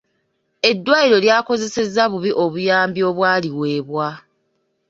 Eddwaliro lyakozesa bubi obuyambi obwaliweebwa.